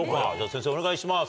先生お願いします。